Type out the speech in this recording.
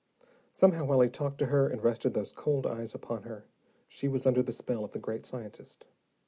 Somehow, while he talked to her and rested those cold eyes upon her, she was under the spell of the great scientist.